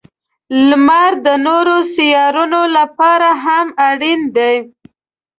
• لمر د نورو سیارونو لپاره هم اړین دی.